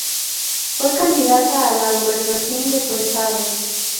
Fue candidata a la gobernación de su estado.